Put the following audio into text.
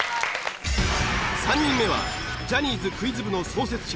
３人目はジャニーズクイズ部の創設者